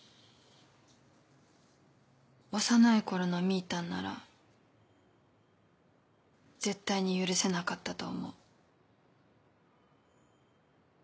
幼い頃のみぃたんなら絶対に許せなかったと思う。